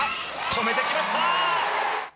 止めてきました！